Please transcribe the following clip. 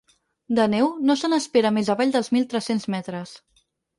De neu, no se n’espera més avall dels mil tres-cents metres.